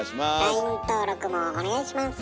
ＬＩＮＥ登録もお願いします。